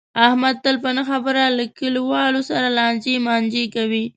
احمد تل په نه خبره له کلیواو سره لانجې مانجې کوي.